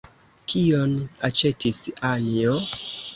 Kion aĉetis Anjo?